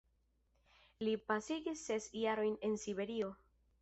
Li pasigis ses jarojn en Siberio.